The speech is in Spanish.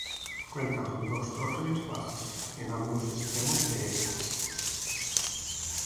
Cuenta con dos torres bajas en ambos extremos de ellas.